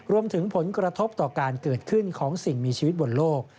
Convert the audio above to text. รวมถึงผลกระทบต่อการเกิดขึ้นของสิ่งมีชีวิตบนโลก